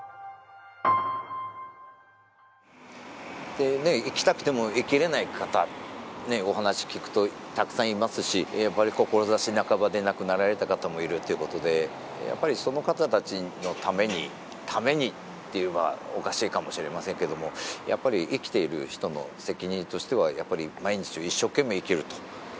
でね生きたくても生きられない方お話聞くとたくさんいますしやっぱり志半ばで亡くなられた方もいるということでやっぱりその方たちのために「ために」っていうのはおかしいかもしれませんけどもやっぱり生きている人の責任としてはやっぱり毎日を一生懸命生きると。